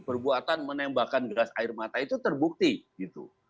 perbuatan menembakkan gas air mata itu terbukti gitu